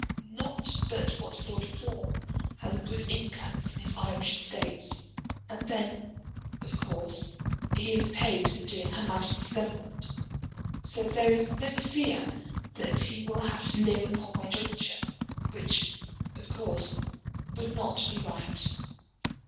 Not but what Lord Fawn has a good income from his Irish estates; and then, of course, he is paid for doing Her Majesty's Government; so there is no fear that he will have to live upon my jointure, which, of course, would not be right.